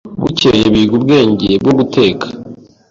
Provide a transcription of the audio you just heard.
Bukeye biga ubwenge bwo guteka